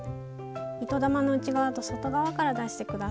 糸玉の内側と外側から出して下さい。